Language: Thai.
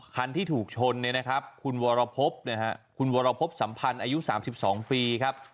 ฮันที่ถูกชนเนี่ยนะครับคุณวัรพพพุสัมพันธ์อายุ๓๒ปีครับ